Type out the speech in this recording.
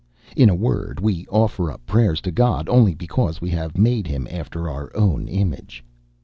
In a word, we offer up prayers to God only because we have made him after our own image.